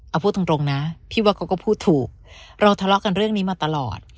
เอาพูดตรงนะพี่ว่าเขาก็พูดถูกเราทะเลาะกันเรื่องนี้มาตลอด